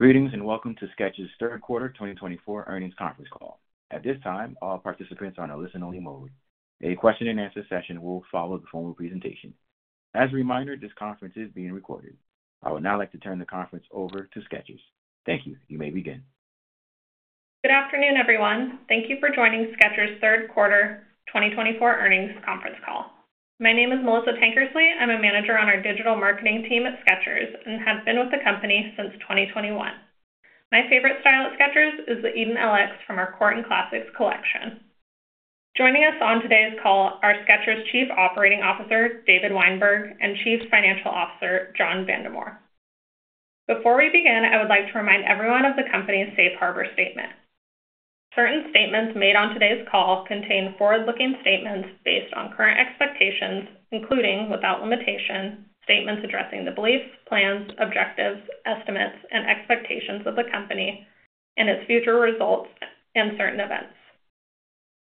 ...Greetings, and welcome to Skechers' Third Quarter Twenty Twenty-Four Earnings Conference call. At this time, all participants are on a listen-only mode. A question-and-answer session will follow the formal presentation. As a reminder, this conference is being recorded. I would now like to turn the conference over to Skechers. Thank you. You may begin. Good afternoon, everyone. Thank you for joining Skechers' third quarter twenty twenty-four earnings conference call. My name is Melissa Tankersley. I'm a manager on our digital marketing team at Skechers and have been with the company since twenty twenty-one. My favorite style at Skechers is the Eden LX from our Core and Classics collection. Joining us on today's call are Skechers' Chief Operating Officer, David Weinberg, and Chief Financial Officer, John Vandemore. Before we begin, I would like to remind everyone of the company's Safe Harbor statement. Certain statements made on today's call contain forward-looking statements based on current expectations, including, without limitation, statements addressing the beliefs, plans, objectives, estimates, and expectations of the company and its future results and certain events.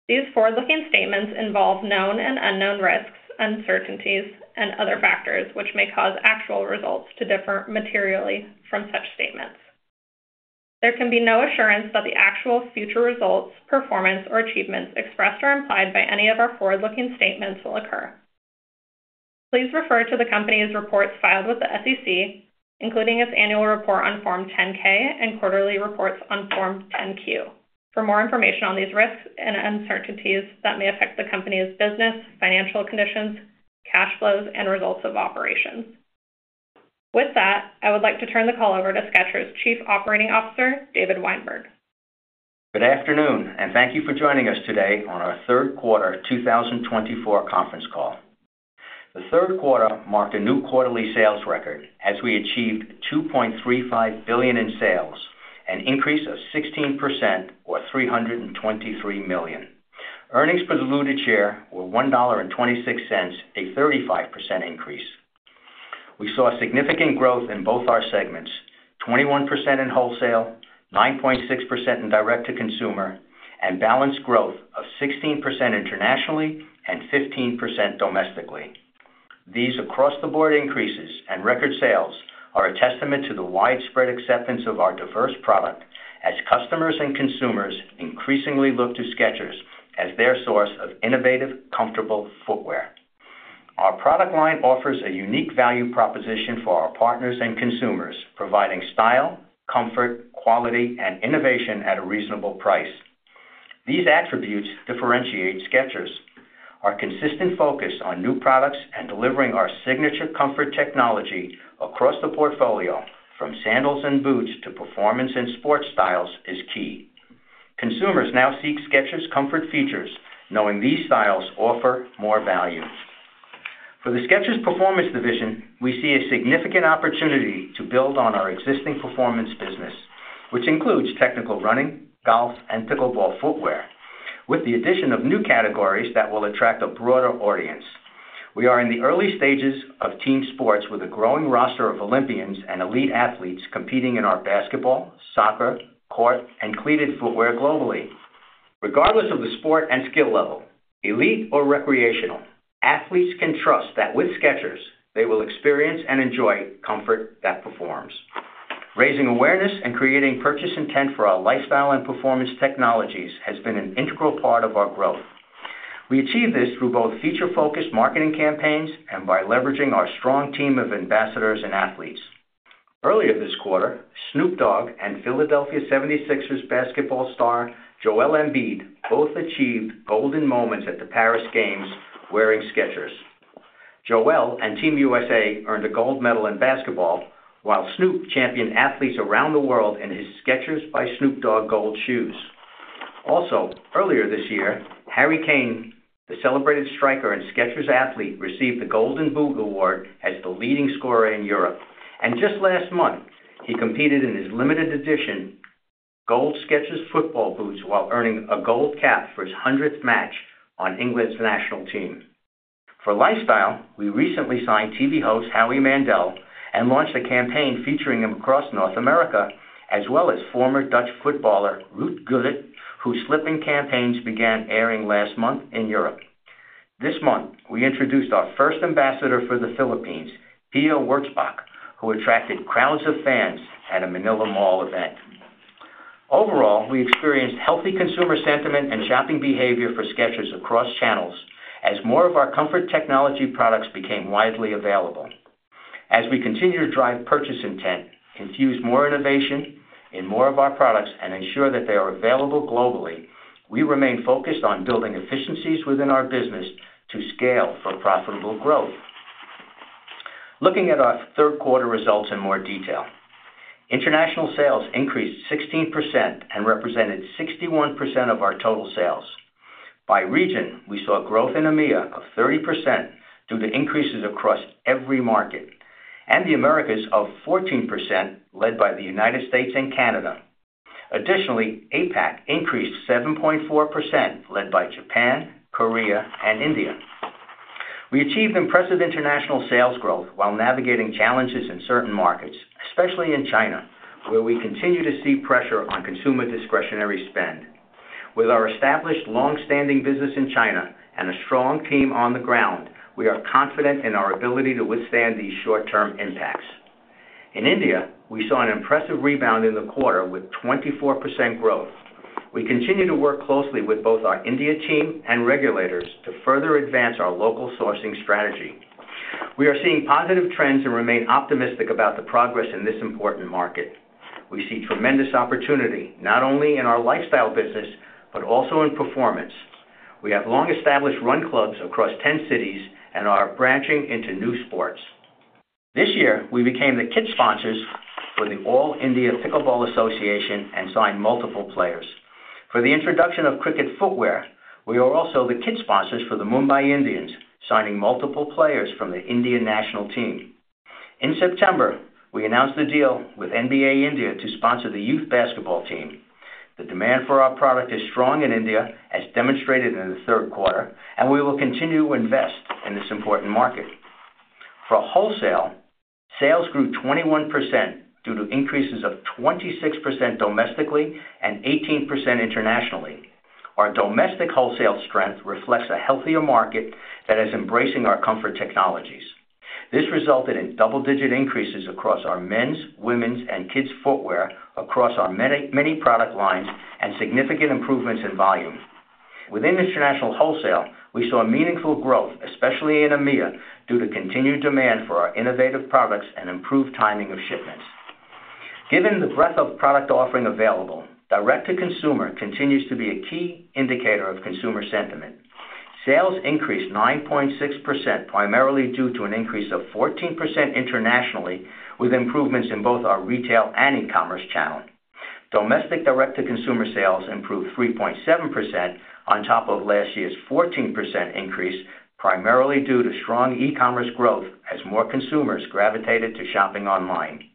These forward-looking statements involve known and unknown risks, uncertainties, and other factors, which may cause actual results to differ materially from such statements. There can be no assurance that the actual future results, performance, or achievements expressed or implied by any of our forward-looking statements will occur. Please refer to the company's reports filed with the SEC, including its annual report on Form 10-K and quarterly reports on Form 10-Q for more information on these risks and uncertainties that may affect the company's business, financial conditions, cash flows, and results of operations. With that, I would like to turn the call over to Skechers' Chief Operating Officer, David Weinberg. Good afternoon, and thank you for joining us today on our third quarter 2024 conference call. The third quarter marked a new quarterly sales record as we achieved $2.35 billion in sales, an increase of 16% or $323 million. Earnings per diluted share were $1.26, a 35% increase. We saw significant growth in both our segments, 21% in wholesale, 9.6% in direct-to-consumer, and balanced growth of 16% internationally and 15% domestically. These across-the-board increases and record sales are a testament to the widespread acceptance of our diverse product, as customers and consumers increasingly look to Skechers as their source of innovative, comfortable footwear. Our product line offers a unique value proposition for our partners and consumers, providing style, comfort, quality, and innovation at a reasonable price. These attributes differentiate Skechers. Our consistent focus on new products and delivering our signature comfort technology across the portfolio, from sandals and boots to performance and sports styles, is key. Consumers now seek Skechers comfort features, knowing these styles offer more value. For the Skechers Performance division, we see a significant opportunity to build on our existing performance business, which includes technical running, golf, and pickleball footwear, with the addition of new categories that will attract a broader audience. We are in the early stages of team sports with a growing roster of Olympians and elite athletes competing in our basketball, soccer, court, and cleated footwear globally. Regardless of the sport and skill level, elite or recreational, athletes can trust that with Skechers, they will experience and enjoy comfort that performs. Raising awareness and creating purchase intent for our lifestyle and performance technologies has been an integral part of our growth. We achieve this through both future-focused marketing campaigns and by leveraging our strong team of ambassadors and athletes. Earlier this quarter, Snoop Dogg and Philadelphia 76ers basketball star, Joel Embiid, both achieved golden moments at the Paris Games wearing Skechers. Joel and Team USA earned a gold medal in basketball, while Snoop championed athletes around the world in his Skechers by Snoop Dogg gold shoes. Also, earlier this year, Harry Kane, the celebrated striker and Skechers athlete, received the Golden Boot award as the leading scorer in Europe, and just last month, he competed in his limited edition gold Skechers football boots while earning a gold cap for his hundredth match on England's national team. For lifestyle, we recently signed TV host Howie Mandel and launched a campaign featuring him across North America, as well as former Dutch footballer Ruud Gullit, whose Slip-ins campaigns began airing last month in Europe. This month, we introduced our first ambassador for the Philippines, Pia Wurtzbach, who attracted crowds of fans at a Manila mall event. Overall, we experienced healthy consumer sentiment and shopping behavior for Skechers across channels as more of our comfort technology products became widely available. As we continue to drive purchase intent, infuse more innovation in more of our products, and ensure that they are available globally, we remain focused on building efficiencies within our business to scale for profitable growth. Looking at our third quarter results in more detail. International sales increased 16% and represented 61% of our total sales. By region, we saw growth in EMEA of 30% due to increases across every market, and the Americas of 14%, led by the United States and Canada. Additionally, APAC increased 7.4%, led by Japan, Korea, and India. We achieved impressive international sales growth while navigating challenges in certain markets, especially in China, where we continue to see pressure on consumer discretionary spend. ... With our established long-standing business in China and a strong team on the ground, we are confident in our ability to withstand these short-term impacts. In India, we saw an impressive rebound in the quarter with 24% growth. We continue to work closely with both our India team and regulators to further advance our local sourcing strategy. We are seeing positive trends and remain optimistic about the progress in this important market. We see tremendous opportunity, not only in our lifestyle business, but also in performance. We have long-established run clubs across 10 cities and are branching into new sports. This year, we became the kit sponsors for the All India Pickleball Association and signed multiple players. For the introduction of cricket footwear, we are also the kit sponsors for the Mumbai Indians, signing multiple players from the Indian national team. In September, we announced a deal with NBA India to sponsor the youth basketball team. The demand for our product is strong in India, as demonstrated in the third quarter, and we will continue to invest in this important market. For wholesale, sales grew 21% due to increases of 26% domestically and 18% internationally. Our domestic wholesale strength reflects a healthier market that is embracing our comfort technologies. This resulted in double-digit increases across our men's, women's, and kids' footwear across our many, many product lines and significant improvements in volume. Within international wholesale, we saw meaningful growth, especially in EMEA, due to continued demand for our innovative products and improved timing of shipments. Given the breadth of product offering available, direct-to-consumer continues to be a key indicator of consumer sentiment. Sales increased 9.6%, primarily due to an increase of 14% internationally, with improvements in both our retail and e-commerce channel. Domestic direct-to-consumer sales improved 3.7% on top of last year's 14% increase, primarily due to strong e-commerce growth as more consumers gravitated to shopping online.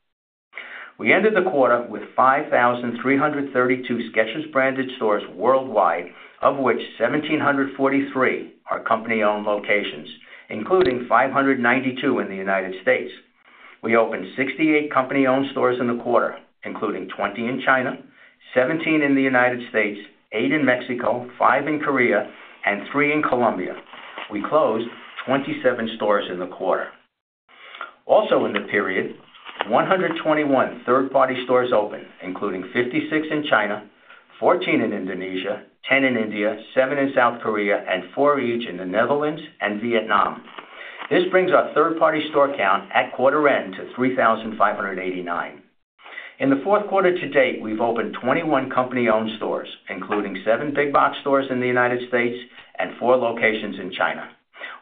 We ended the quarter with 5,333 Skechers-branded stores worldwide, of which 1,743 are company-owned locations, including 592 in the United States. We opened 68 company-owned stores in the quarter, including 20 in China, 17 in the United States, 8 in Mexico, 5 in Korea, and 3 in Colombia. We closed 27 stores in the quarter. Also, in the period, 121 third-party stores opened, including 56 in China, 14 in Indonesia, 10 in India, 7 in South Korea, and 4 each in the Netherlands and Vietnam. This brings our third-party store count at quarter end to 3,589. In the fourth quarter to date, we've opened 21 company-owned stores, including 7 big box stores in the United States and 4 locations in China.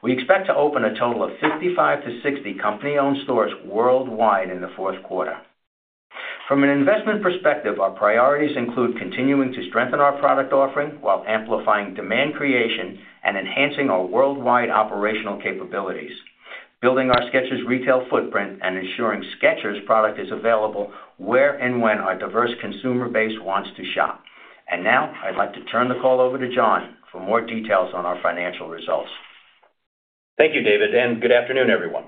We expect to open a total of 55-60 company-owned stores worldwide in the fourth quarter. From an investment perspective, our priorities include continuing to strengthen our product offering while amplifying demand creation and enhancing our worldwide operational capabilities, building our Skechers retail footprint, and ensuring Skechers product is available where and when our diverse consumer base wants to shop. Now I'd like to turn the call over to John for more details on our financial results. Thank you, David, and good afternoon, everyone.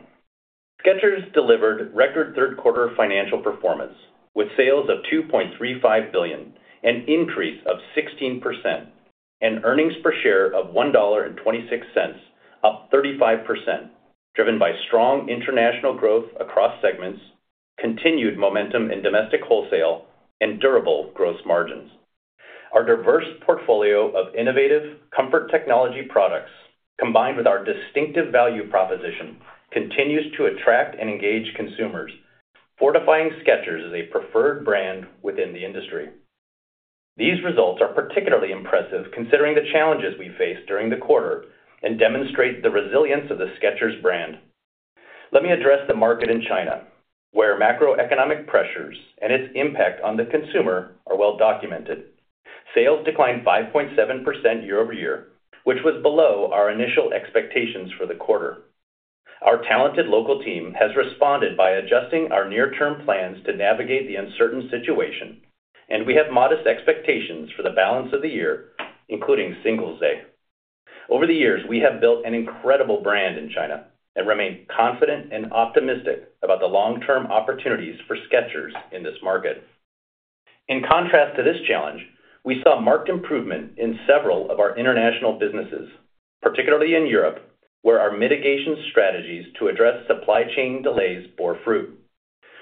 Skechers delivered record third quarter financial performance with sales of $2.35 billion, an increase of 16%, and earnings per share of $1.26, up 35%, driven by strong international growth across segments, continued momentum in domestic wholesale, and durable gross margins. Our diverse portfolio of innovative comfort technology products, combined with our distinctive value proposition, continues to attract and engage consumers, fortifying Skechers as a preferred brand within the industry. These results are particularly impressive considering the challenges we faced during the quarter and demonstrate the resilience of the Skechers brand. Let me address the market in China, where macroeconomic pressures and its impact on the consumer are well documented. Sales declined 5.7% year over year, which was below our initial expectations for the quarter. Our talented local team has responded by adjusting our near-term plans to navigate the uncertain situation, and we have modest expectations for the balance of the year, including Singles' Day. Over the years, we have built an incredible brand in China and remain confident and optimistic about the long-term opportunities for Skechers in this market. In contrast to this challenge, we saw marked improvement in several of our international businesses, particularly in Europe, where our mitigation strategies to address supply chain delays bore fruit.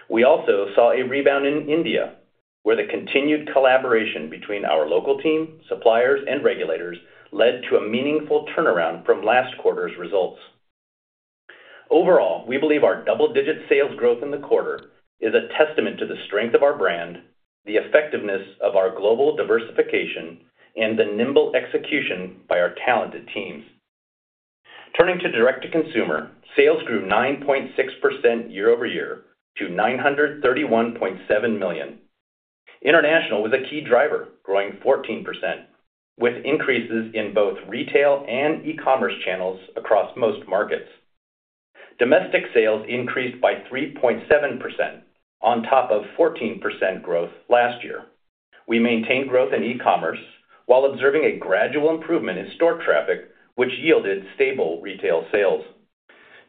We also saw a rebound in India, where the continued collaboration between our local team, suppliers, and regulators led to a meaningful turnaround from last quarter's results. Overall, we believe our double-digit sales growth in the quarter is a testament to the strength of our brand, the effectiveness of our global diversification, and the nimble execution by our talented teams. Turning to direct-to-consumer, sales grew 9.6% year over year to $931.7 million. International was a key driver, growing 14%, with increases in both retail and e-commerce channels across most markets. Domestic sales increased by 3.7% on top of 14% growth last year. We maintained growth in e-commerce while observing a gradual improvement in store traffic, which yielded stable retail sales.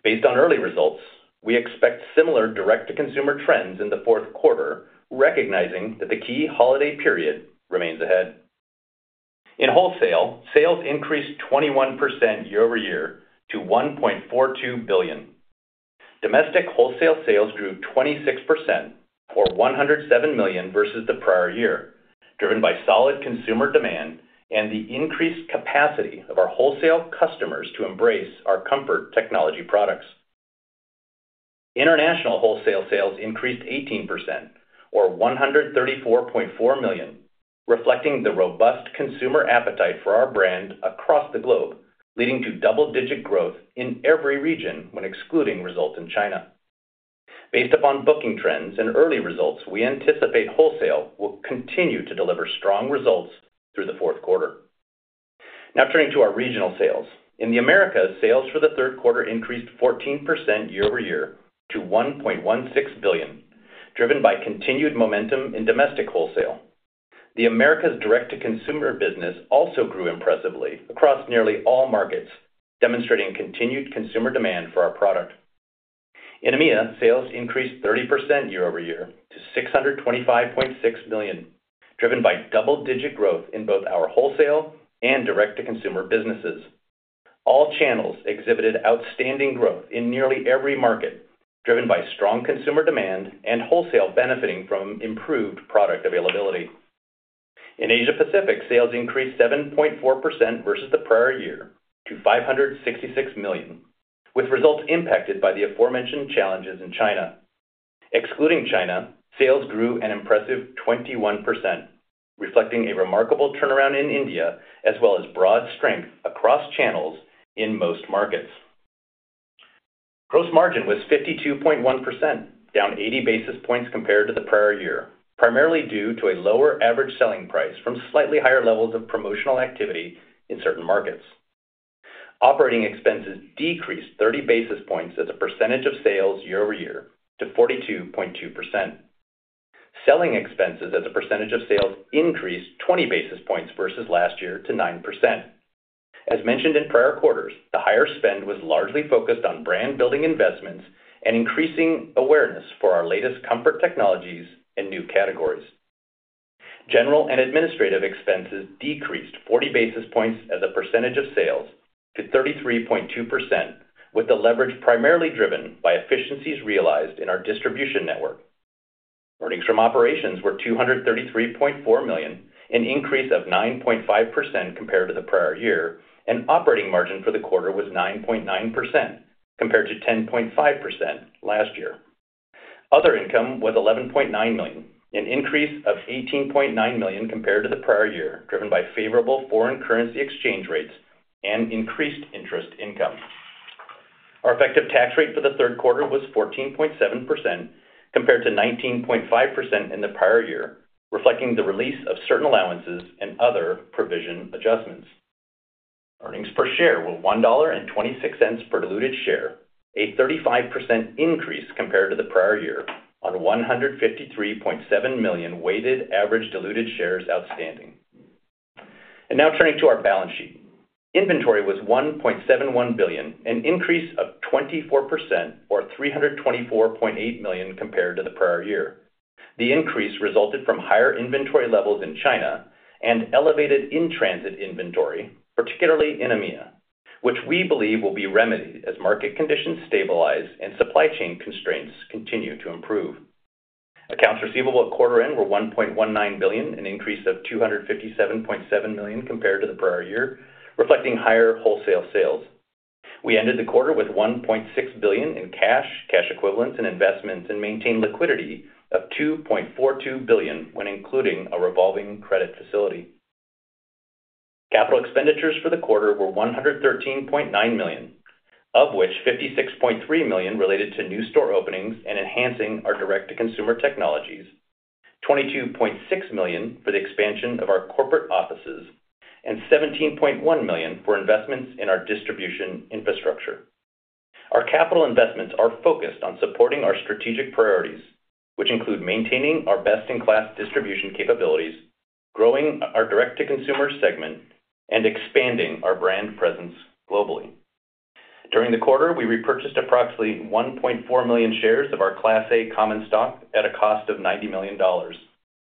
Based on early results, we expect similar direct-to-consumer trends in the fourth quarter, recognizing that the key holiday period remains ahead. In wholesale, sales increased 21% year-over-year to $1.42 billion. Domestic wholesale sales grew 26%, or $107 million versus the prior year, driven by solid consumer demand and the increased capacity of our wholesale customers to embrace our comfort technology products. International wholesale sales increased 18%, or $134.4 million, reflecting the robust consumer appetite for our brand across the globe, leading to double-digit growth in every region when excluding results in China. Based upon booking trends and early results, we anticipate wholesale will continue to deliver strong results through the fourth quarter. Now turning to our regional sales. In the Americas, sales for the third quarter increased 14% year-over-year to $1.16 billion, driven by continued momentum in domestic wholesale. The Americas direct-to-consumer business also grew impressively across nearly all markets, demonstrating continued consumer demand for our product. In EMEA, sales increased 30% year-over-year to $625.6 million, driven by double-digit growth in both our wholesale and direct-to-consumer businesses. All channels exhibited outstanding growth in nearly every market, driven by strong consumer demand and wholesale benefiting from improved product availability. In Asia Pacific, sales increased 7.4% versus the prior year to $566 million, with results impacted by the aforementioned challenges in China. Excluding China, sales grew an impressive 21%, reflecting a remarkable turnaround in India, as well as broad strength across channels in most markets. Gross margin was 52.1%, down 80 basis points compared to the prior year, primarily due to a lower average selling price from slightly higher levels of promotional activity in certain markets. Operating expenses decreased 30 basis points as a percentage of sales year-over-year to 42.2%. Selling expenses as a percentage of sales increased 20 basis points versus last year to 9%. As mentioned in prior quarters, the higher spend was largely focused on brand-building investments and increasing awareness for our latest comfort technologies and new categories. General and administrative expenses decreased 40 basis points as a percentage of sales to 33.2%, with the leverage primarily driven by efficiencies realized in our distribution network. Earnings from operations were $233.4 million, an increase of 9.5% compared to the prior year, and operating margin for the quarter was 9.9%, compared to 10.5% last year. Other income was $11.9 million, an increase of $18.9 million compared to the prior year, driven by favorable foreign currency exchange rates and increased interest income. Our effective tax rate for the third quarter was 14.7%, compared to 19.5% in the prior year, reflecting the release of certain allowances and other provision adjustments. Earnings per share were $1.26 per diluted share, a 35% increase compared to the prior year on 153.7 million weighted average diluted shares outstanding. Now turning to our balance sheet. Inventory was $1.71 billion, an increase of 24% or $324.8 million compared to the prior year. The increase resulted from higher inventory levels in China and elevated in-transit inventory, particularly in EMEA, which we believe will be remedied as market conditions stabilize and supply chain constraints continue to improve. Accounts receivable at quarter end were $1.19 billion, an increase of $257.7 million compared to the prior year, reflecting higher wholesale sales. We ended the quarter with $1.6 billion in cash, cash equivalents, and investments, and maintained liquidity of $2.42 billion when including a revolving credit facility. Capital expenditures for the quarter were $113.9 million, of which $56.3 million related to new store openings and enhancing our direct-to-consumer technologies, $22.6 million for the expansion of our corporate offices, and $17.1 million for investments in our distribution infrastructure. Our capital investments are focused on supporting our strategic priorities, which include maintaining our best-in-class distribution capabilities, growing our direct-to-consumer segment, and expanding our brand presence globally. During the quarter, we repurchased approximately 1.4 million shares of our Class A common stock at a cost of $90 million.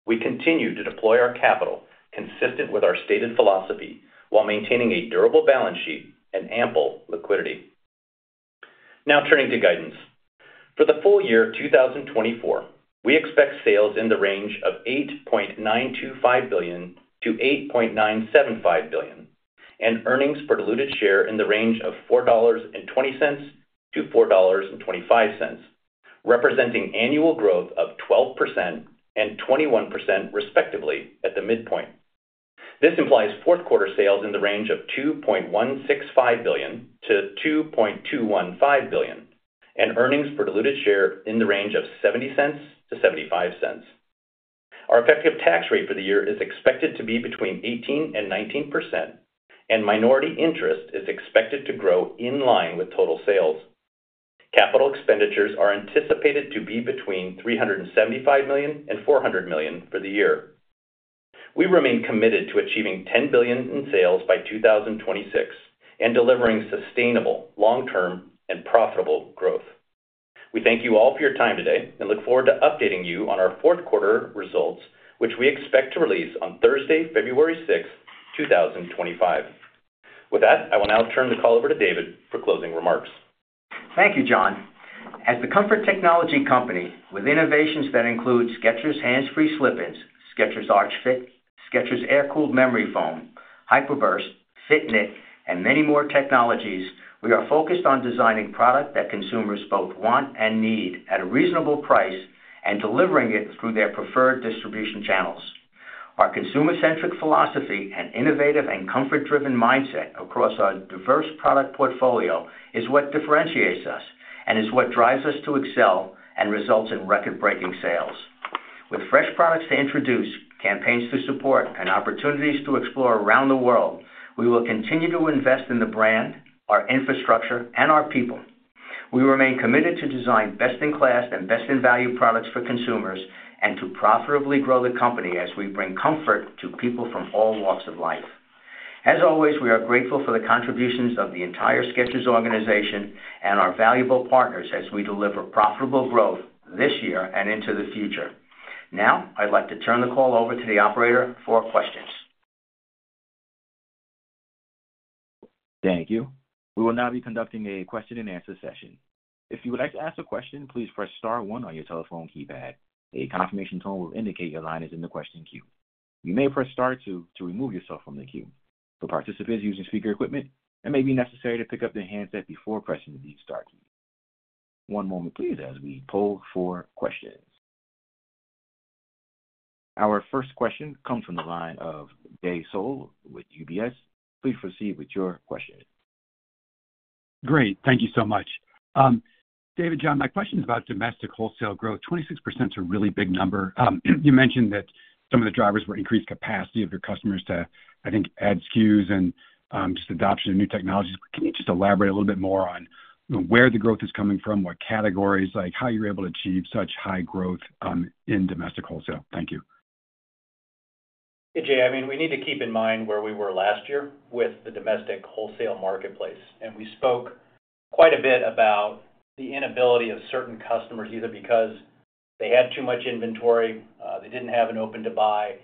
We continue to deploy our capital consistent with our stated philosophy, while maintaining a durable balance sheet and ample liquidity. Now turning to guidance. For the full year of 2024, we expect sales in the range of $8.925 billion-$8.975 billion, and earnings per diluted share in the range of $4.20-$4.25, representing annual growth of 12% and 21% respectively at the midpoint. This implies fourth quarter sales in the range of $2.165 billion-$2.215 billion, and earnings per diluted share in the range of $0.70-$0.75. Our effective tax rate for the year is expected to be between 18% and 19%, and minority interest is expected to grow in line with total sales. Capital expenditures are anticipated to be between $375 million and $400 million for the year.... We remain committed to achieving $10 billion in sales by 2026, and delivering sustainable, long-term, and profitable growth. We thank you all for your time today, and look forward to updating you on our fourth quarter results, which we expect to release on Thursday, February sixth, 2025. With that, I will now turn the call over to David for closing remarks. Thank you, John. As the comfort technology company with innovations that include Skechers Hands Free Slip-ins, Skechers Arch Fit, Skechers Air-Cooled Memory Foam, Hyper Burst, Fit Knit, and many more technologies, we are focused on designing product that consumers both want and need at a reasonable price and delivering it through their preferred distribution channels. Our consumer-centric philosophy and innovative and comfort-driven mindset across our diverse product portfolio is what differentiates us and is what drives us to excel and results in record-breaking sales. With fresh products to introduce, campaigns to support, and opportunities to explore around the world, we will continue to invest in the brand, our infrastructure, and our people. We remain committed to design best-in-class and best-in-value products for consumers and to profitably grow the company as we bring comfort to people from all walks of life. As always, we are grateful for the contributions of the entire Skechers organization and our valuable partners as we deliver profitable growth this year and into the future. Now, I'd like to turn the call over to the operator for questions. Thank you. We will now be conducting a question and answer session. If you would like to ask a question, please press star one on your telephone keypad. A confirmation tone will indicate your line is in the question queue. You may press star two to remove yourself from the queue. For participants using speaker equipment, it may be necessary to pick up the handset before pressing these stars. One moment, please, as we poll for questions. Our first question comes from the line of Jay Sole with UBS. Please proceed with your question. Great. Thank you so much. David, John, my question is about domestic wholesale growth. 26% is a really big number. You mentioned that some of the drivers were increased capacity of your customers to, I think, add SKUs and just adoption of new technologies. Can you just elaborate a little bit more on, you know, where the growth is coming from, what categories, like, how you're able to achieve such high growth in domestic wholesale? Thank you. Hey, Jay. I mean, we need to keep in mind where we were last year with the domestic wholesale marketplace, and we spoke quite a bit about the inability of certain customers, either because they had too much inventory, they didn't have an open-to-buy,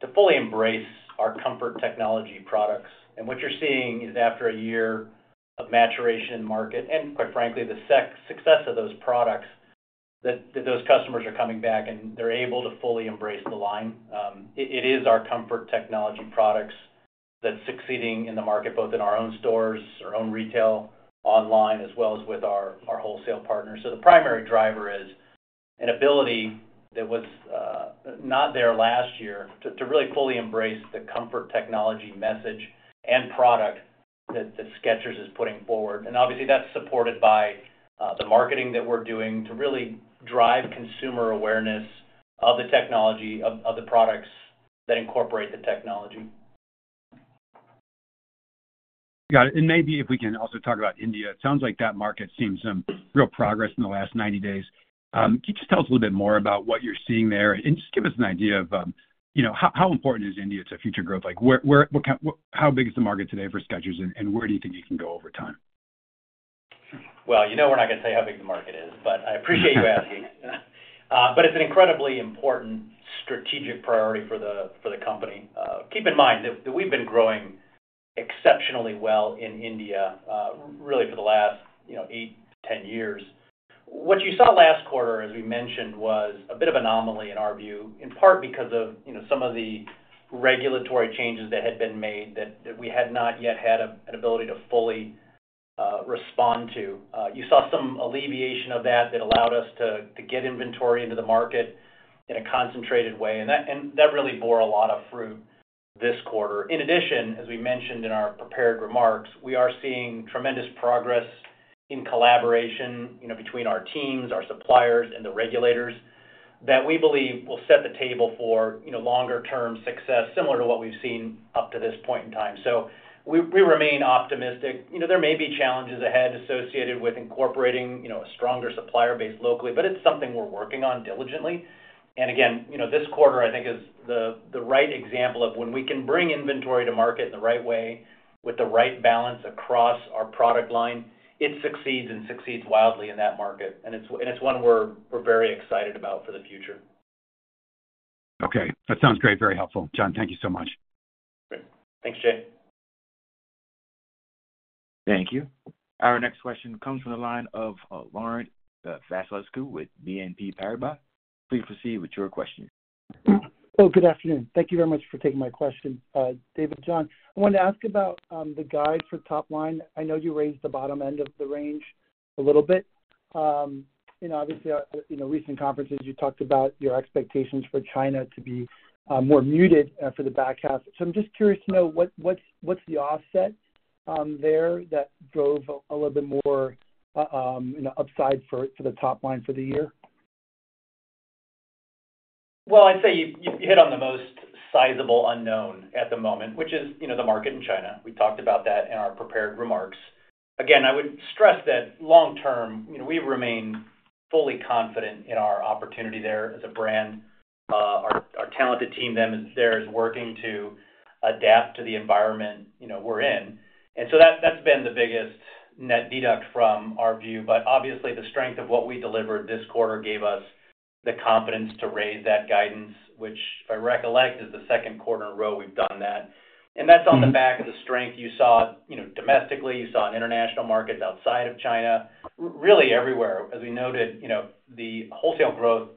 to fully embrace our comfort technology products. And what you're seeing is after a year of maturation in market, and quite frankly, the success of those products, that those customers are coming back, and they're able to fully embrace the line. It is our comfort technology products that's succeeding in the market, both in our own stores, our own retail, online, as well as with our wholesale partners. So the primary driver is an ability that was not there last year to really fully embrace the comfort technology message and product that Skechers is putting forward. And obviously, that's supported by the marketing that we're doing to really drive consumer awareness of the technology, of the products that incorporate the technology. Got it. And maybe if we can also talk about India, it sounds like that market's seen some real progress in the last ninety days. Can you just tell us a little bit more about what you're seeing there? And just give us an idea of, you know, how important is India to future growth? Like, where, what kind, how big is the market today for Skechers, and where do you think it can go over time? Well, you know, we're not going to say how big the market is, but I appreciate you asking. But it's an incredibly important strategic priority for the company. Keep in mind that we've been growing exceptionally well in India, really for the last, you know, eight to ten years. What you saw last quarter, as we mentioned, was a bit of an anomaly in our view, in part because of, you know, some of the regulatory changes that had been made that we had not yet had an ability to fully respond to. You saw some alleviation of that that allowed us to get inventory into the market in a concentrated way, and that really bore a lot of fruit this quarter. In addition, as we mentioned in our prepared remarks, we are seeing tremendous progress in collaboration, you know, between our teams, our suppliers, and the regulators, that we believe will set the table for, you know, longer-term success, similar to what we've seen up to this point in time. So we remain optimistic. You know, there may be challenges ahead associated with incorporating, you know, a stronger supplier base locally, but it's something we're working on diligently. And again, you know, this quarter, I think, is the right example of when we can bring inventory to market in the right way, with the right balance across our product line. It succeeds and succeeds wildly in that market, and it's one we're very excited about for the future. Okay, that sounds great, very helpful. John, thank you so much. Great. Thanks, Jay. Thank you. Our next question comes from the line of, Laurent Vasilescu with BNP Paribas. Please proceed with your question. Oh, good afternoon. Thank you very much for taking my question. David, John, I wanted to ask about the guide for top line. I know you raised the bottom end of the range a little bit. And obviously, you know, recent conferences, you talked about your expectations for China to be more muted for the back half. So I'm just curious to know what's the offset there that drove a little bit more, you know, upside for to the top line for the year? I'd say you hit on the most sizable unknown at the moment, which is, you know, the market in China. We talked about that in our prepared remarks. Again, I would stress that long term, you know, we remain fully confident in our opportunity there as a brand. Our talented team there is working to adapt to the environment, you know, we're in. And so that's been the biggest net deduct from our view. But obviously, the strength of what we delivered this quarter gave us the confidence to raise that guidance, which if I recollect, is the second quarter in a row we've done that. That's on the back of the strength you saw, you know, domestically, you saw in international markets outside of China, really everywhere. As we noted, you know, the wholesale growth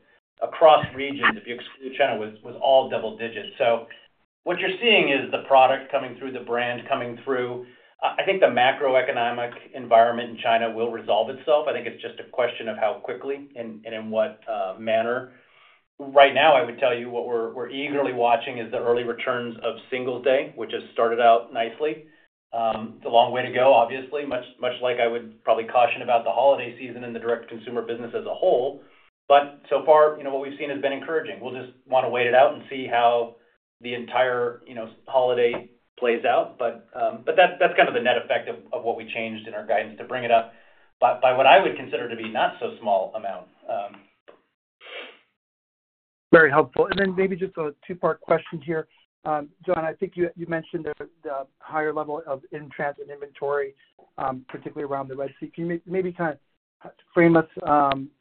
across regions, if you exclude China, was all double digits. So what you're seeing is the product coming through, the brand coming through. I think the macroeconomic environment in China will resolve itself. I think it's just a question of how quickly and in what manner. Right now, I would tell you what we're eagerly watching is the early returns of Singles' Day, which has started out nicely. It's a long way to go, obviously, much like I would probably caution about the holiday season and the direct-to-consumer business as a whole, but so far, you know, what we've seen has been encouraging. We'll just wanna wait it out and see how the entire, you know, holiday plays out. But that's kind of the net effect of what we changed in our guidance to bring it up by what I would consider to be not so small amount. Very helpful. And then maybe just a two-part question here. John, I think you mentioned the higher level of in-transit inventory, particularly around the West. Can you maybe kind of frame us,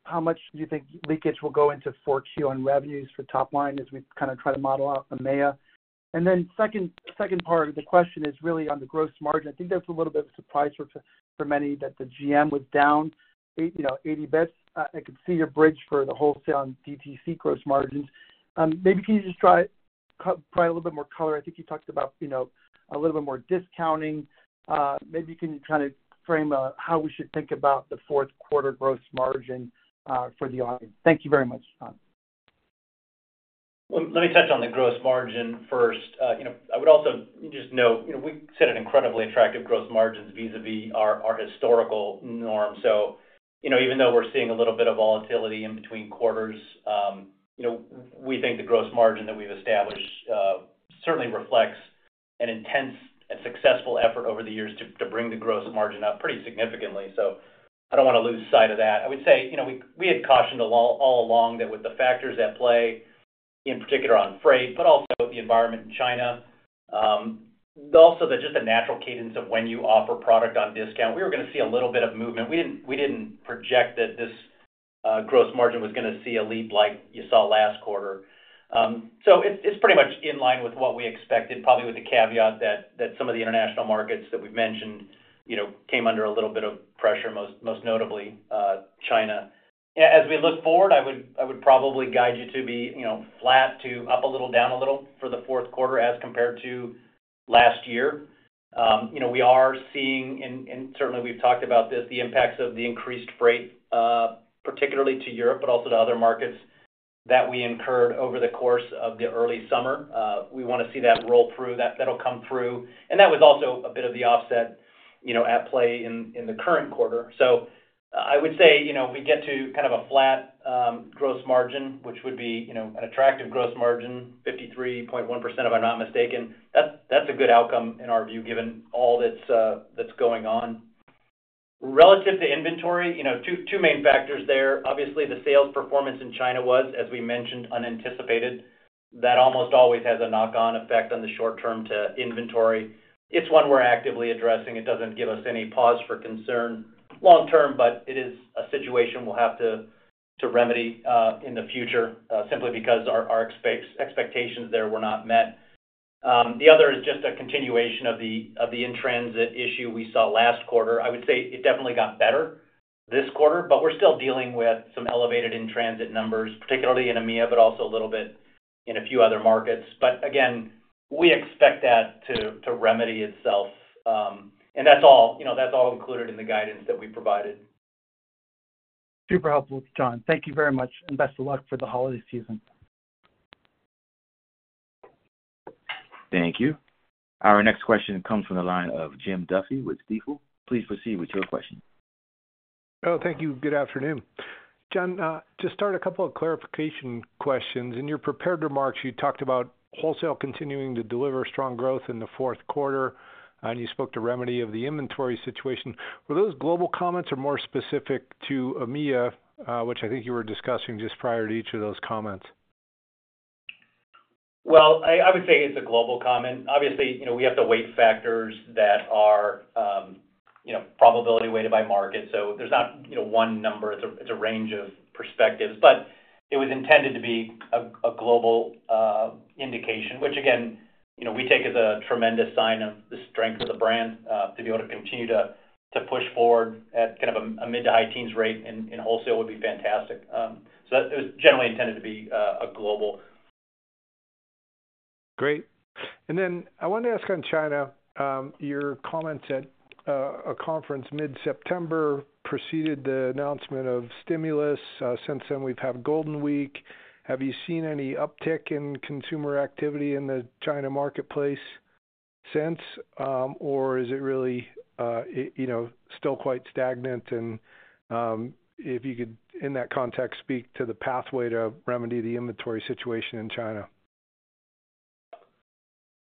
how much do you think leakage will go into four Q on revenues for top line as we kind of try to model out the EMEA? And then second part of the question is really on the gross margin. I think that's a little bit of a surprise for many, that the GM was down 80 basis points. You know, I could see a bridge for the wholesale on DTC gross margins. Maybe can you just try to provide a little bit more color? I think you talked about, you know, a little bit more discounting. Maybe you can kind of frame how we should think about the fourth quarter gross margin for the audience. Thank you very much, John. Let me touch on the gross margin first. You know, I would also just note, you know, we set an incredibly attractive gross margins vis-à-vis our historical norm. So, you know, even though we're seeing a little bit of volatility in between quarters, you know, we think the gross margin that we've established certainly reflects an intense and successful effort over the years to bring the gross margin up pretty significantly. So I don't wanna lose sight of that. I would say, you know, we had cautioned all along that with the factors at play, in particular on freight, but also the environment in China, also just the natural cadence of when you offer product on discount, we were gonna see a little bit of movement. We didn't project that this gross margin was gonna see a leap like you saw last quarter. So it's pretty much in line with what we expected, probably with the caveat that some of the international markets that we've mentioned, you know, came under a little bit of pressure, most notably China. As we look forward, I would probably guide you to be, you know, flat to up a little, down a little for the fourth quarter as compared to last year. You know, we are seeing, and certainly we've talked about this, the impacts of the increased freight, particularly to Europe, but also to other markets that we incurred over the course of the early summer. We wanna see that roll through. That'll come through. And that was also a bit of the offset, you know, at play in the current quarter. So I would say, you know, we get to kind of a flat gross margin, which would be, you know, an attractive gross margin, 53.1%, if I'm not mistaken. That's a good outcome in our view, given all that's going on. Relative to inventory, you know, two main factors there. Obviously, the sales performance in China was, as we mentioned, unanticipated. That almost always has a knock-on effect on the short term to inventory. It's one we're actively addressing. It doesn't give us any pause for concern long term, but it is a situation we'll have to remedy in the future, simply because our expectations there were not met. The other is just a continuation of the in-transit issue we saw last quarter. I would say it definitely got better this quarter, but we're still dealing with some elevated in-transit numbers, particularly in EMEA, but also a little bit in a few other markets. But again, we expect that to remedy itself. And that's all, you know, that's all included in the guidance that we provided. Super helpful, John. Thank you very much, and best of luck for the holiday season. Thank you. Our next question comes from the line of Jim Duffy with Stifel. Please proceed with your question. Oh, thank you. Good afternoon. John, to start, a couple of clarification questions. In your prepared remarks, you talked about wholesale continuing to deliver strong growth in the fourth quarter, and you spoke to remedy of the inventory situation. Were those global comments or more specific to EMEA, which I think you were discussing just prior to each of those comments? I would say it's a global comment. Obviously, you know, we have the weight factors that are, you know, probability weighted by market, so there's not, you know, one number. It's a range of perspectives, but it was intended to be a global indication, which again, you know, we take as a tremendous sign of the strength of the brand, to be able to continue to push forward at kind of a mid to high teens rate in wholesale would be fantastic. So that was generally intended to be a global. Great. And then I wanted to ask on China, your comments at a conference mid-September preceded the announcement of stimulus. Since then, we've had Golden Week. Have you seen any uptick in consumer activity in the China marketplace since? Or is it really, you know, still quite stagnant? And if you could, in that context, speak to the pathway to remedy the inventory situation in China.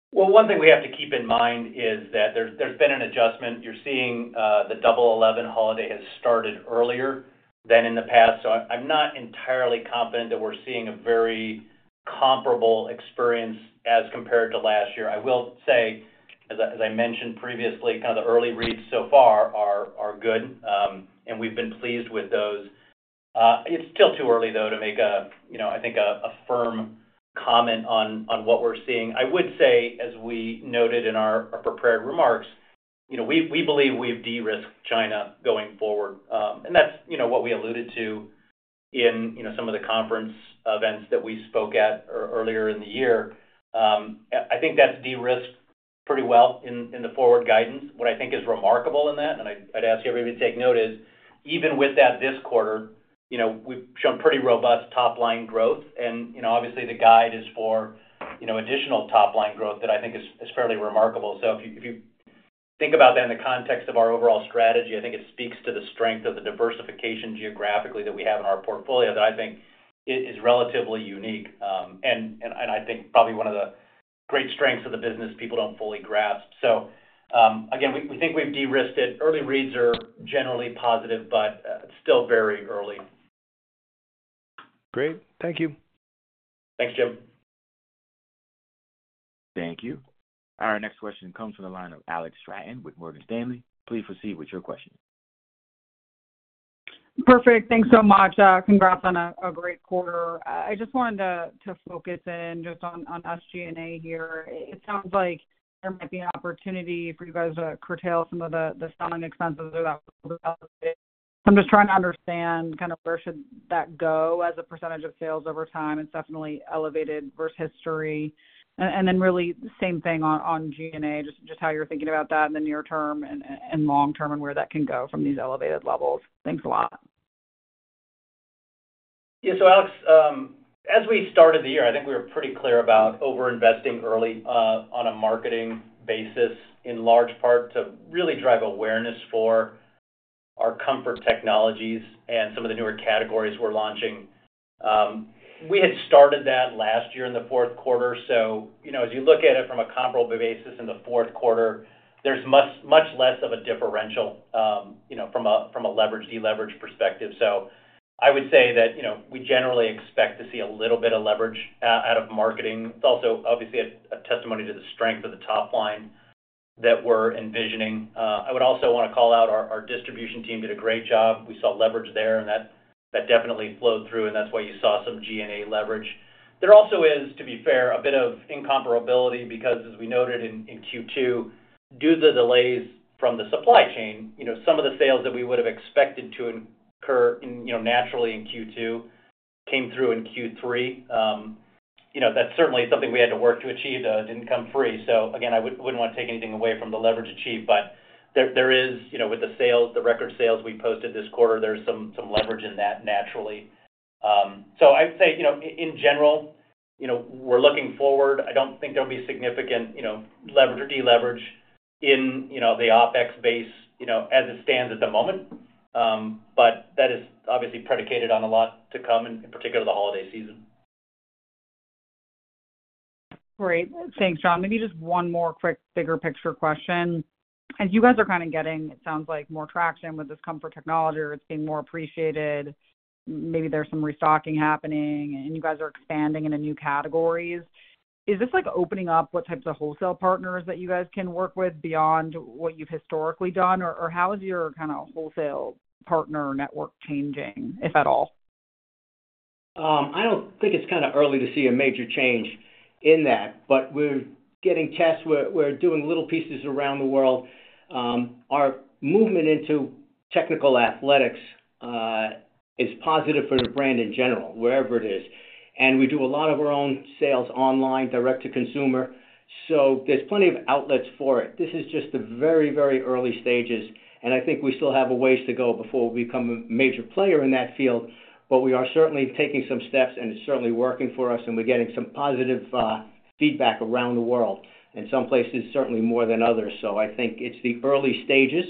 One thing we have to keep in mind is that there's been an adjustment. You're seeing the Double Eleven holiday has started earlier than in the past, so I'm not entirely confident that we're seeing a very comparable experience as compared to last year. I will say, as I mentioned previously, kind of the early reads so far are good, and we've been pleased with those. It's still too early, though, to make a you know, I think a firm comment on what we're seeing. I would say, as we noted in our prepared remarks, you know, we believe we've de-risked China going forward. And that's what we alluded to in some of the conference events that we spoke at earlier in the year. I think that's de-risked pretty well in the forward guidance. What I think is remarkable in that, and I'd ask everybody to take note, is even with that this quarter, you know, we've shown pretty robust top line growth. And, you know, obviously, the guide is for, you know, additional top line growth that I think is fairly remarkable. So if you think about that in the context of our overall strategy, I think it speaks to the strength of the diversification geographically that we have in our portfolio, that I think is relatively unique. And I think probably one of the great strengths of the business, people don't fully grasp. Again, we think we've de-risked it. Early reads are generally positive, but still very early. Great. Thank you. Thanks, Jim. Thank you. Our next question comes from the line of Alex Straton with Morgan Stanley. Please proceed with your question. Perfect. Thanks so much. Congrats on a great quarter. I just wanted to focus in just on SG&A here. It sounds like there might be an opportunity for you guys to curtail some of the selling expenses that..., I'm just trying to understand kind of where should that go as a percentage of sales over time. It's definitely elevated versus history. And then really the same thing on G&A, just how you're thinking about that in the near term and long term, and where that can go from these elevated levels. Thanks a lot. Yeah. So Alex, as we started the year, I think we were pretty clear about overinvesting early, on a marketing basis, in large part to really drive awareness for our comfort technologies and some of the newer categories we're launching. We had started that last year in the fourth quarter, so you know, as you look at it from a comparable basis in the fourth quarter, there's much, much less of a differential, you know, from a leverage, deleverage perspective. So I would say that, you know, we generally expect to see a little bit of leverage, out of marketing. It's also obviously a testimony to the strength of the top line that we're envisioning. I would also want to call out our distribution team did a great job. We saw leverage there, and that, that definitely flowed through, and that's why you saw some G&A leverage. There also is, to be fair, a bit of incomparability because, as we noted in Q2, due to the delays from the supply chain, you know, some of the sales that we would have expected to occur in, you know, naturally in Q2 came through in Q3. You know, that's certainly something we had to work to achieve, though, it didn't come free. So again, I wouldn't want to take anything away from the leverage achieved, but there, there is, you know, with the sales, the record sales we posted this quarter, there's some, some leverage in that naturally. So I'd say, you know, in general, you know, we're looking forward. I don't think there'll be significant, you know, leverage or deleverage in, you know, the OpEx base, you know, as it stands at the moment, but that is obviously predicated on a lot to come, in particular, the holiday season. Great. Thanks, John. Maybe just one more quick, bigger picture question. As you guys are kind of getting, it sounds like more traction with this comfort technology, or it's being more appreciated, maybe there's some restocking happening, and you guys are expanding into new categories. Is this, like, opening up what types of wholesale partners that you guys can work with beyond what you've historically done? Or, how is your kind of wholesale partner network changing, if at all? I don't think it's kind of early to see a major change in that, but we're getting tests, we're doing little pieces around the world. Our movement into technical athletics is positive for the brand in general, wherever it is, and we do a lot of our own sales online, direct to consumer, so there's plenty of outlets for it. This is just the very, very early stages, and I think we still have a ways to go before we become a major player in that field. But we are certainly taking some steps, and it's certainly working for us, and we're getting some positive feedback around the world, in some places, certainly more than others. So I think it's the early stages.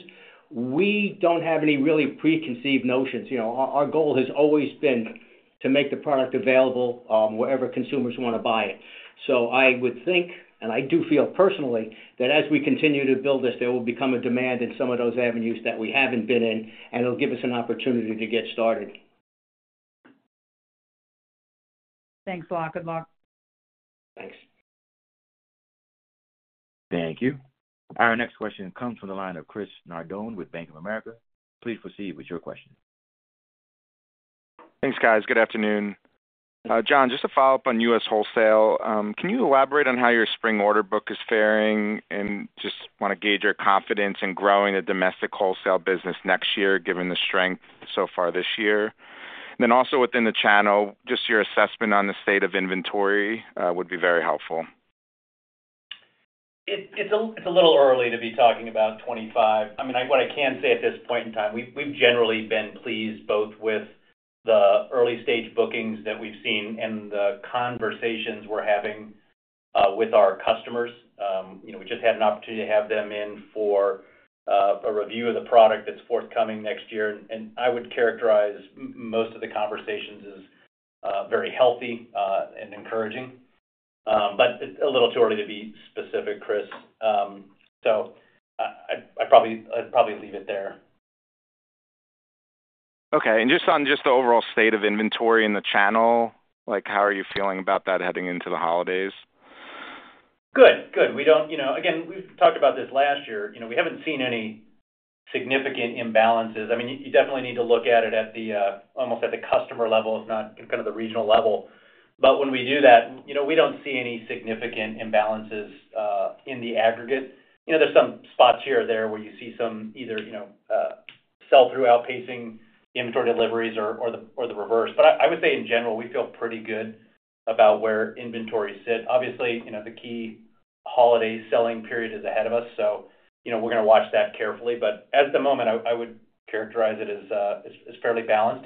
We don't have any really preconceived notions. You know, our goal has always been to make the product available, wherever consumers want to buy it. So I would think, and I do feel personally, that as we continue to build this, there will become a demand in some of those avenues that we haven't been in, and it'll give us an opportunity to get started. Thanks a lot. Good luck. Thanks. Thank you. Our next question comes from the line of Chris Nardone with Bank of America. Please proceed with your question. Thanks, guys. Good afternoon. John, just a follow-up on U.S. wholesale. Can you elaborate on how your spring order book is faring? And just want to gauge your confidence in growing the domestic wholesale business next year, given the strength so far this year. Then also within the channel, just your assessment on the state of inventory, would be very helpful. It's a little early to be talking about twenty-five. I mean, what I can say at this point in time, we've generally been pleased both with the early stage bookings that we've seen and the conversations we're having with our customers. You know, we just had an opportunity to have them in for a review of the product that's forthcoming next year. And I would characterize most of the conversations as very healthy and encouraging. But it's a little too early to be specific, Chris. So I'd probably leave it there. Okay. And just on the overall state of inventory in the channel, like, how are you feeling about that heading into the holidays? Good. Good. We don't, you know. Again, we've talked about this last year, you know, we haven't seen any significant imbalances. I mean, you definitely need to look at it almost at the customer level, if not kind of the regional level. But when we do that, you know, we don't see any significant imbalances in the aggregate. You know, there's some spots here or there where you see some either, you know, sell-through outpacing inventory deliveries or the reverse. But I would say, in general, we feel pretty good about where inventory sit. Obviously, you know, the key holiday selling period is ahead of us, so, you know, we're gonna watch that carefully. But at the moment, I would characterize it as fairly balanced.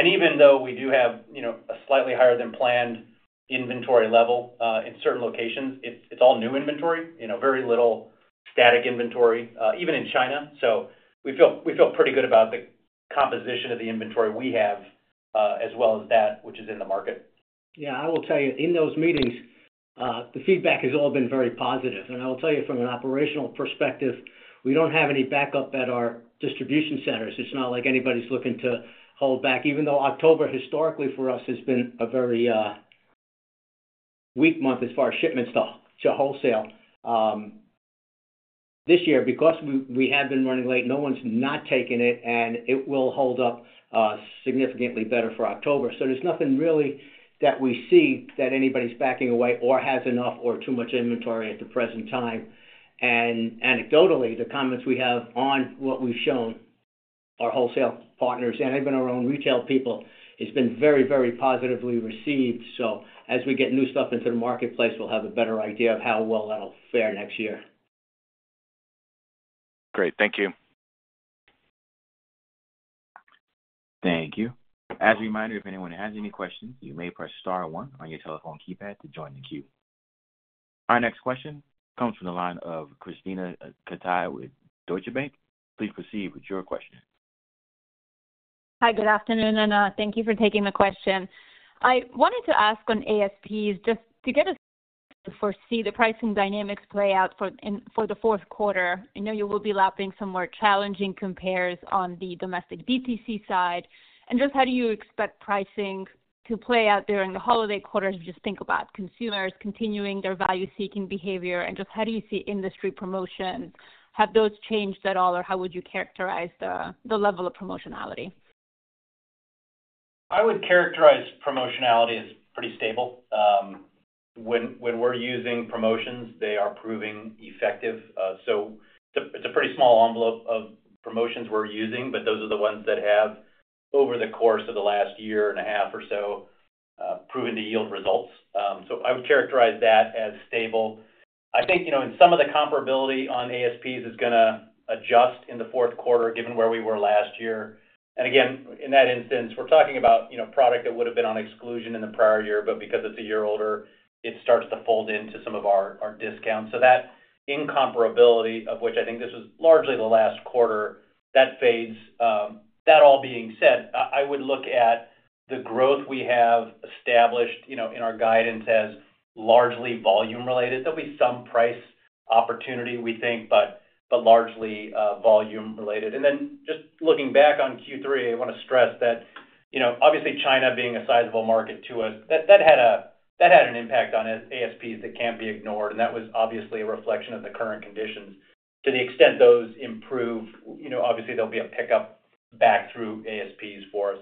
Even though we do have, you know, a slightly higher than planned inventory level in certain locations, it's all new inventory, you know, very little static inventory, even in China. We feel pretty good about the composition of the inventory we have, as well as that which is in the market. Yeah, I will tell you, in those meetings, the feedback has all been very positive. And I will tell you from an operational perspective, we don't have any backup at our distribution centers. It's not like anybody's looking to hold back, even though October, historically, for us, has been a very weak month as far as shipments to wholesale. This year, because we have been running late, no one's not taking it, and it will hold up significantly better for October. So there's nothing really that we see that anybody's backing away or has enough or too much inventory at the present time. And anecdotally, the comments we have on what we've shown our wholesale partners and even our own retail people, it's been very, very positively received. So as we get new stuff into the marketplace, we'll have a better idea of how well that'll fare next year. Great. Thank you. Thank you. As a reminder, if anyone has any questions, you may press star one on your telephone keypad to join the queue. Our next question comes from the line of Krisztina Katai with Deutsche Bank. Please proceed with your question. Hi, good afternoon, and thank you for taking the question. I wanted to ask on ASPs, just to get a sense for the pricing dynamics play out for the fourth quarter. I know you will be lapping some more challenging compares on the domestic DTC side. And just how do you expect pricing to play out during the holiday quarter, as you just think about consumers continuing their value-seeking behavior? And just how do you see industry promotion? Have those changed at all, or how would you characterize the level of promotionality? I would characterize promotionality as pretty stable. When we're using promotions, they are proving effective, so it's a pretty small envelope of promotions we're using, but those are the ones that have, over the course of the last year and a half or so, proven to yield results, so I would characterize that as stable. I think, you know, and some of the comparability on ASPs is gonna adjust in the fourth quarter, given where we were last year, and again, in that instance, we're talking about, you know, product that would have been on exclusion in the prior year, but because it's a year older, it starts to fold into some of our discounts, so that incomparability, of which I think this is largely the last quarter, that fades. That all being said, I would look at the growth we have established, you know, in our guidance as largely volume-related. There'll be some price opportunity, we think, but largely volume-related, and then just looking back on Q3, I wanna stress that, you know, obviously, China being a sizable market to us, that had an impact on ASPs that can't be ignored, and that was obviously a reflection of the current conditions. To the extent those improve, you know, obviously, there'll be a pickup back through ASPs for us.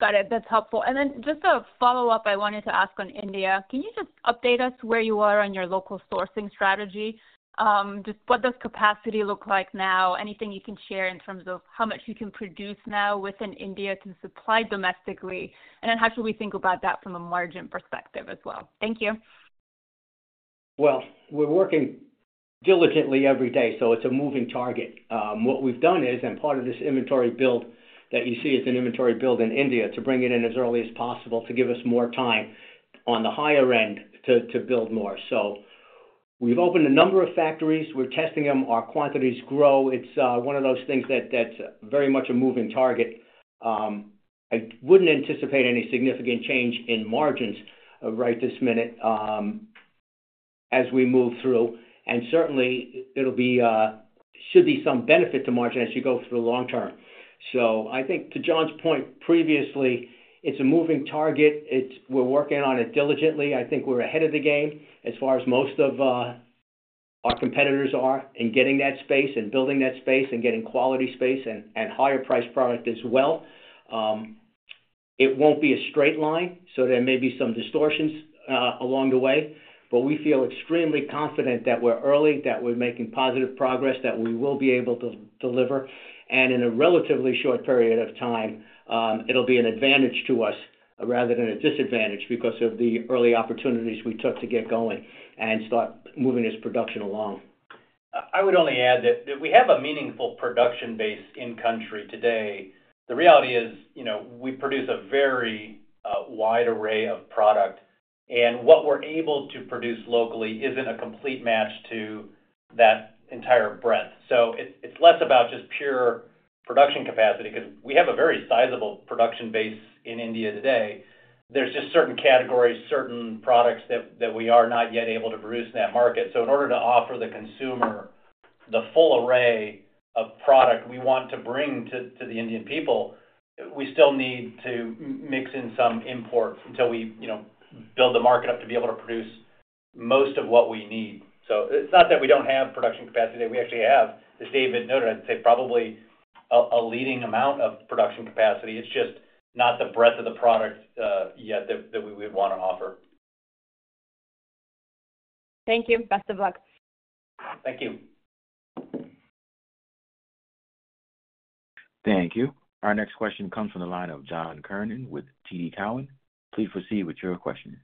Got it. That's helpful. And then just a follow-up I wanted to ask on India. Can you just update us where you are on your local sourcing strategy? Just what does capacity look like now? Anything you can share in terms of how much you can produce now within India to supply domestically, and then how should we think about that from a margin perspective as well? Thank you. We're working diligently every day, so it's a moving target. What we've done is, and part of this inventory build that you see, it's an inventory build in India, to bring it in as early as possible to give us more time on the higher end to build more. We've opened a number of factories. We're testing them. Our quantities grow. It's one of those things that's very much a moving target. I wouldn't anticipate any significant change in margins right this minute, as we move through, and certainly, it'll be should be some benefit to margin as you go through the long term. I think to John's point previously, it's a moving target. We're working on it diligently. I think we're ahead of the game as far as most of our competitors are in getting that space and building that space and getting quality space and higher priced product as well. It won't be a straight line, so there may be some distortions along the way, but we feel extremely confident that we're early, that we're making positive progress, that we will be able to deliver. And in a relatively short period of time, it'll be an advantage to us rather than a disadvantage because of the early opportunities we took to get going and start moving this production along. I would only add that we have a meaningful production base in country today. The reality is, you know, we produce a very wide array of product, and what we're able to produce locally isn't a complete match to that entire breadth. So it's less about just pure production capacity, 'cause we have a very sizable production base in India today. There's just certain categories, certain products that we are not yet able to produce in that market. So in order to offer the consumer the full array of product we want to bring to the Indian people, we still need to mix in some imports until we, you know, build the market up to be able to produce most of what we need. It's not that we don't have production capacity. We actually have, as David noted, I'd say probably a leading amount of production capacity. It's just not the breadth of the product yet that we would want to offer. Thank you. Best of luck. Thank you. Thank you. Our next question comes from the line of John Kernan with TD Cowen. Please proceed with your question.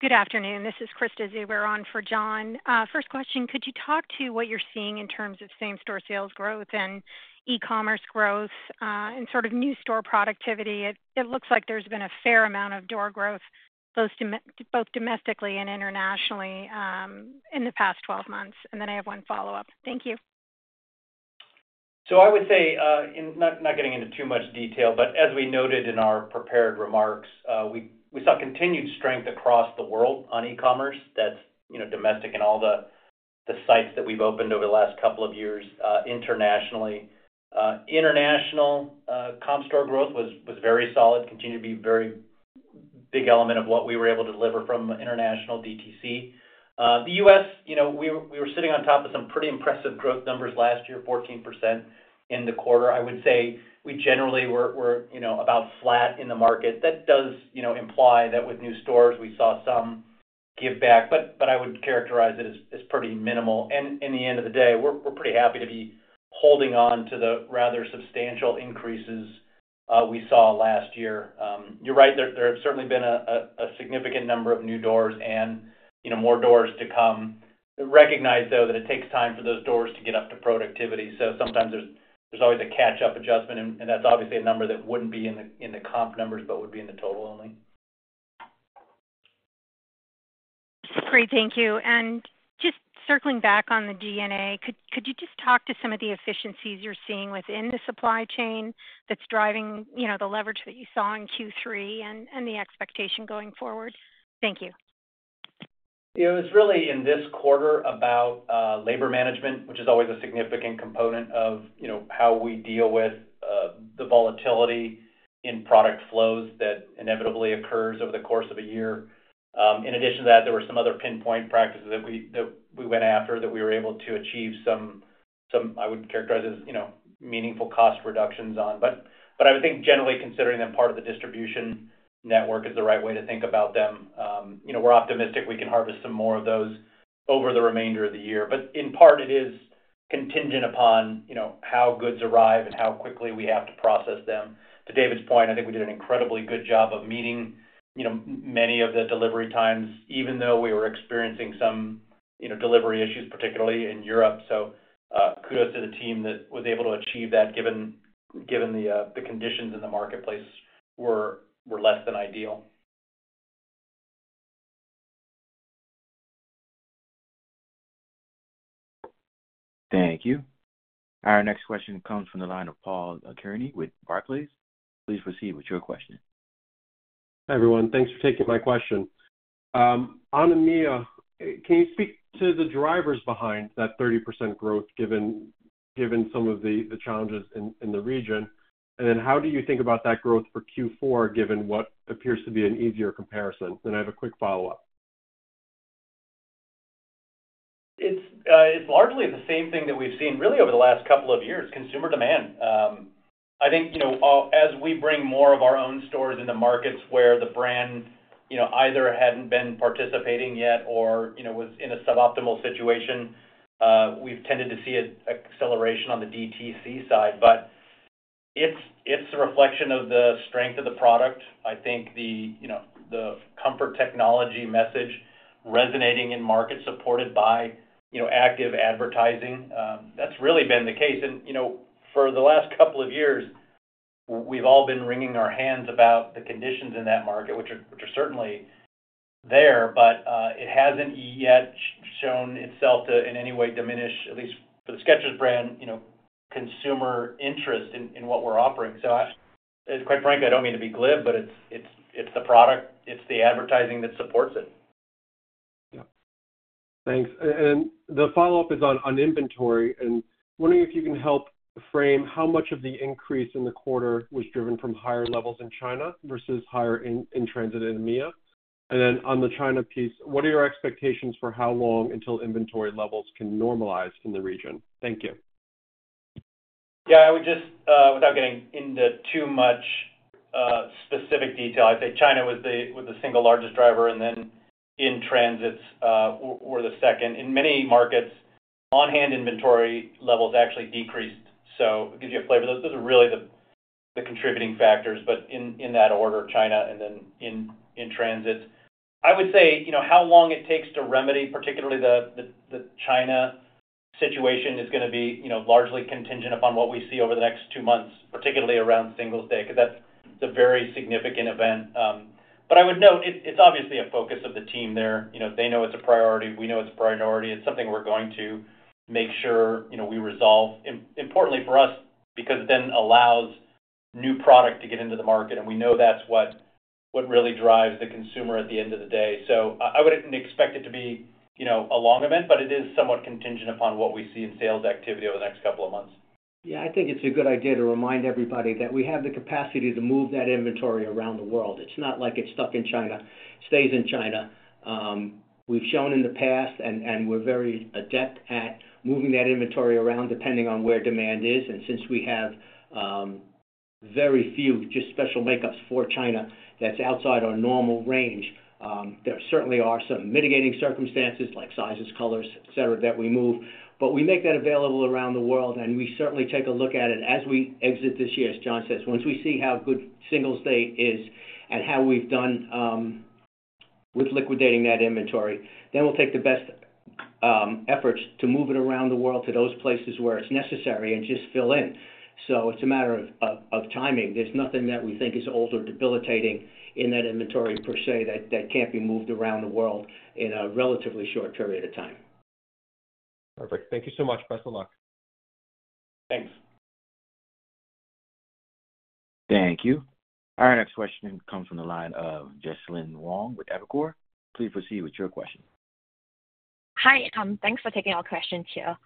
Good afternoon, this is Krista Zuber on for John. First question, could you talk to what you're seeing in terms of same-store sales growth and e-commerce growth, and sort of new store productivity? It looks like there's been a fair amount of door growth, both domestically and internationally, in the past twelve months. And then I have one follow-up. Thank you. So I would say, and not getting into too much detail, but as we noted in our prepared remarks, we saw continued strength across the world on e-commerce. That's, you know, domestic and all the sites that we've opened over the last couple of years, internationally. International comp store growth was very solid, continued to be very big element of what we were able to deliver from international DTC. The U.S., you know, we were sitting on top of some pretty impressive growth numbers last year, 14% in the quarter. I would say we generally were, you know, about flat in the market. That does, you know, imply that with new stores, we saw some give back, but I would characterize it as pretty minimal. And in the end of the day, we're pretty happy to be holding on to the rather substantial increases we saw last year. You're right, there have certainly been a significant number of new doors and, you know, more doors to come. Recognize, though, that it takes time for those doors to get up to productivity. So sometimes there's always a catch-up adjustment, and that's obviously a number that wouldn't be in the comp numbers, but would be in the total only. Great, thank you. And just circling back on the G&A, could you just talk to some of the efficiencies you're seeing within the supply chain that's driving, you know, the leverage that you saw in Q3 and the expectation going forward? Thank you. It was really, in this quarter, about labor management, which is always a significant component of, you know, how we deal with the volatility in product flows that inevitably occurs over the course of a year. In addition to that, there were some other pinpoint practices that we went after that we were able to achieve some I would characterize as, you know, meaningful cost reductions on. But I would think generally considering them part of the distribution network is the right way to think about them. You know, we're optimistic we can harvest some more of those over the remainder of the year, but in part, it is contingent upon, you know, how goods arrive and how quickly we have to process them. To David's point, I think we did an incredibly good job of meeting, you know, many of the delivery times, even though we were experiencing some, you know, delivery issues, particularly in Europe. So, kudos to the team that was able to achieve that, given the conditions in the marketplace were less than ideal. Thank you. Our next question comes from the line of Paul Kearney with Barclays. Please proceed with your question. Hi, everyone. Thanks for taking my question. On EMEA, can you speak to the drivers behind that 30% growth, given some of the challenges in the region? And then how do you think about that growth for Q4, given what appears to be an easier comparison? Then I have a quick follow-up. It's, it's largely the same thing that we've seen really over the last couple of years: consumer demand. I think, you know, as we bring more of our own stores into markets where the brand, you know, either hadn't been participating yet or, you know, was in a suboptimal situation, we've tended to see an acceleration on the DTC side. But it's, it's a reflection of the strength of the product. I think the, you know, the comfort technology message resonating in markets supported by, you know, active advertising, that's really been the case. You know, for the last couple of years, we've all been wringing our hands about the conditions in that market, which are certainly there, but it hasn't yet shown itself to, in any way, diminish, at least for the Skechers brand, you know, consumer interest in what we're offering. So quite frankly, I don't mean to be glib, but it's the product, it's the advertising that supports it. Yeah. Thanks. And the follow-up is on inventory, and wondering if you can help frame how much of the increase in the quarter was driven from higher levels in China versus higher in-transit in EMEA? And then on the China piece, what are your expectations for how long until inventory levels can normalize in the region? Thank you. Yeah, I would just, without getting into too much specific detail, I'd say China was the single largest driver, and then in-transits were the second. In many markets, on-hand inventory levels actually decreased. So it gives you a flavor. Those are really the contributing factors, but in that order, China and then in-transits. I would say, you know, how long it takes to remedy, particularly the China situation is gonna be, you know, largely contingent upon what we see over the next two months, particularly around Singles Day, because that's a very significant event. But I would note, it's obviously a focus of the team there. You know, they know it's a priority. We know it's a priority. It's something we're going to make sure, you know, we resolve. Importantly for us, because it then allows new product to get into the market, and we know that's what really drives the consumer at the end of the day. So I wouldn't expect it to be, you know, a long event, but it is somewhat contingent upon what we see in sales activity over the next couple of months. Yeah, I think it's a good idea to remind everybody that we have the capacity to move that inventory around the world. It's not like it's stuck in China, stays in China. We've shown in the past, and we're very adept at moving that inventory around depending on where demand is. And since we have very few, just special makeups for China, that's outside our normal range, there certainly are some mitigating circumstances, like sizes, colors, et cetera, that we move. But we make that available around the world, and we certainly take a look at it as we exit this year. As John says, once we see how good Singles Day is and how we've done with liquidating that inventory, then we'll take the best efforts to move it around the world to those places where it's necessary and just fill in. It's a matter of timing. There's nothing that we think is old or debilitating in that inventory per se, that can't be moved around the world in a relatively short period of time. Perfect. Thank you so much. Best of luck. Thanks. Thank you. Our next question comes from the line of Jesalyn Wong with Evercore. Please proceed with your question. Hi, thanks for taking our questions here.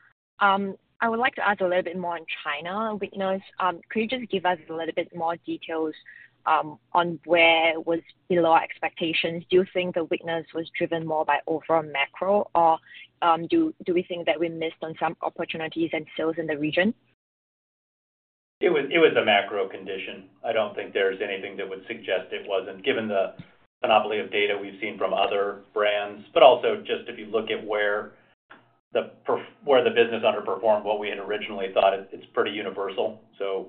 I would like to ask a little bit more on China weakness. Could you just give us a little bit more details on where it was below expectations? Do you think the weakness was driven more by overall macro, or do we think that we missed on some opportunities and sales in the region? It was a macro condition. I don't think there's anything that would suggest it wasn't, given the myriad of data we've seen from other brands. But also, just if you look at where the business underperformed what we had originally thought, it's pretty universal. So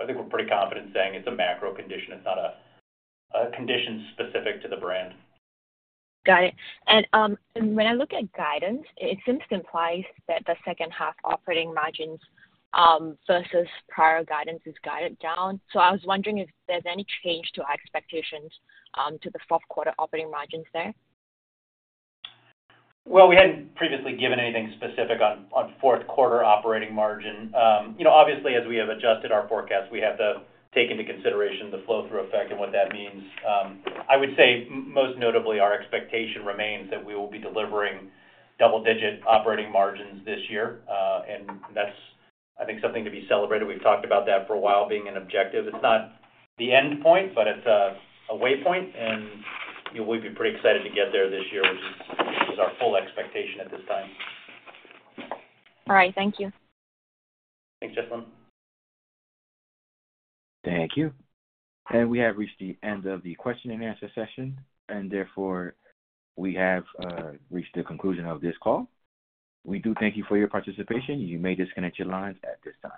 I think we're pretty confident in saying it's a macro condition. It's not a condition specific to the brand. Got it. And, and when I look at guidance, it seems to implies that the second half operating margins, versus prior guidance is guided down. So I was wondering if there's any change to our expectations, to the fourth quarter operating margins there? We hadn't previously given anything specific on fourth quarter operating margin. You know, obviously, as we have adjusted our forecast, we have to take into consideration the flow-through effect and what that means. I would say most notably, our expectation remains that we will be delivering double-digit operating margins this year. And that's, I think, something to be celebrated. We've talked about that for a while being an objective. It's not the end point, but it's a way point, and, you know, we'd be pretty excited to get there this year, which is our full expectation at this time. All right. Thank you. Thanks, Jesalyn. Thank you, and we have reached the end of the question and answer session, and therefore, we have reached the conclusion of this call. We do thank you for your participation. You may disconnect your lines at this time.